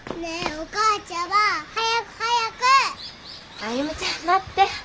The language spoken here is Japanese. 歩ちゃん待って。